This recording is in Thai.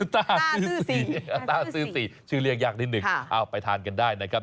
ตาซื่อสี่ตาซื่อสี่ชื่อเรียกยากนิดหนึ่งค่ะเอ้าไปทานกันได้นะครับ